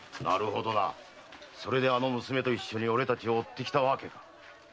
なるほどそれであの娘と一緒に俺たちを追ってきたわけか。